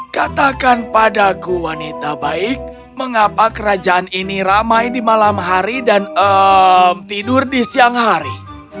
katakan padaku wanita baik mengapa kerajaan ini ramai di malam hari dan tidur di siang hari